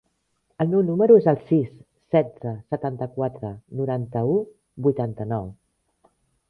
El meu número es el sis, setze, setanta-quatre, noranta-u, vuitanta-nou.